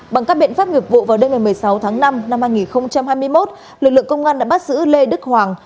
bằng các biện pháp nghiệp vụ vào đêm ngày một mươi sáu tháng năm năm hai nghìn hai mươi một lực lượng công an đã bắt giữ lê đức hoàng